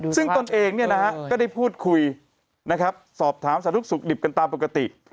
ซึ่งตนเองก็ได้พูดคุยสอบถามสนุกกันตามปกติ